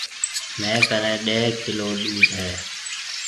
ميه ڪنَي ڏيه ڪِيلو ڏوڌ هيَ۔